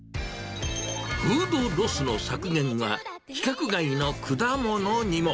フードロスの削減は、規格外の果物にも。